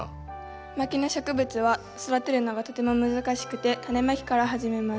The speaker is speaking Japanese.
牧野植物は育てるのがとても難しくてタネまきから始めます。